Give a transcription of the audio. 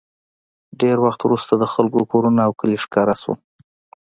ډېر وخت وروسته د خلکو کورونه او کلي ښکاره شول